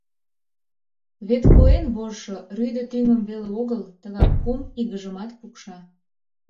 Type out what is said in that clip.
Вет куэн вожшо рӱдӧ тӱҥым веле огыл, тыгак кум игыжымат пукша.